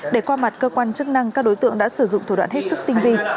để qua mặt cơ quan chức năng các đối tượng đã sử dụng thủ đoạn hết sức tinh vi